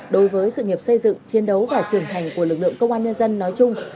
đối với sự nghiệp xây dựng chiến đấu và trưởng thành của lực lượng công an nhân dân nói chung